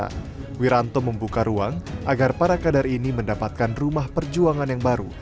pak wiranto membuka ruang agar para kader ini mendapatkan rumah perjuangan yang baru